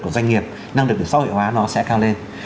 của doanh nghiệp năng lực để xã hội hóa nó sẽ cao lên